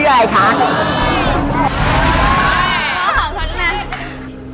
ข้อของตัวนู่นนั้น